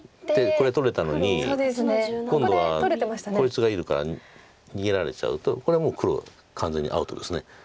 これ取れたのに今度はこいつがいるから逃げられちゃうとこれはもう黒完全にアウトです。